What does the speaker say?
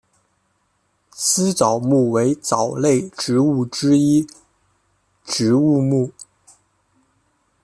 丝藻目为藻类植物之一植物目。